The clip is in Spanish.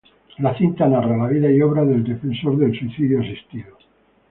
La cinta narra la vida y obra del defensor del suicidio asistido.